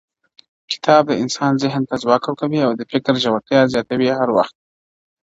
• کتاب د انسان ذهن ته ځواک ورکوي او د فکر ژورتيا زياتوي هر وخت -